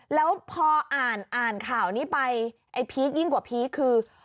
แล้วพออ่านอ่านข่าวนี้ไปไอ้พีคยิ่งกว่าพีคคือ